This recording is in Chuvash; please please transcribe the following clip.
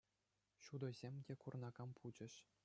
Ҫутӑсем те курӑнакан пулчӗҫ.